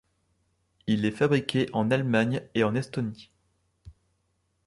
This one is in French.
Il est fabriqué en Allemagne et en Estonie.